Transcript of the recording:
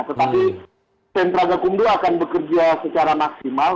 tetapi sentra gakumdu akan bekerja secara maksimal